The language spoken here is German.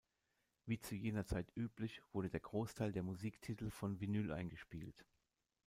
Wie zu jener Zeit üblich wurde der Großteil der Musiktitel von Vinyl eingespielt.